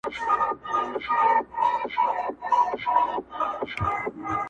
• ته کامیاب یې تا تېر کړی تر هرڅه سخت امتحان دی -